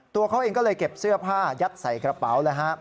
ตัวเขาเองก็เลยเก็บเสื้อผ้ายัดใส่กระเป๋าแล้วฮะ